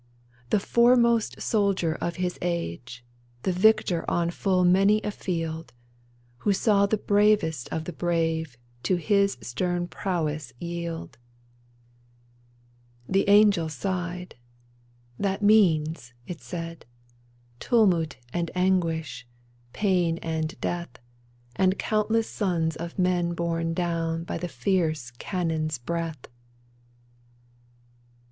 " The foremost soldier of his age. The victor on full many a field — Who saw the bravest of the brave To his stern prowess yield." GRANT 137 The angel sighed. "That means," it §aid, " Tumult and anguish, pain and death, And countless sons of men borne down By the fierce cannon's breath